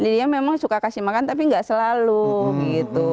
dia memang suka kasih makan tapi gak selalu gitu